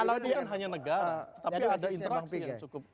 tapi ada interaksi yang cukup